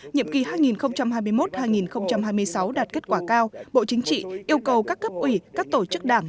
nhiệm kỳ hai nghìn hai mươi một hai nghìn hai mươi sáu đạt kết quả cao bộ chính trị yêu cầu các cấp ủy các tổ chức đảng